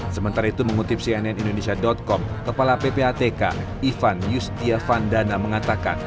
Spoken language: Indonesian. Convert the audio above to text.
sementara itu mengutip cnn indonesia com kepala ppatk ivan yustiavandana mengatakan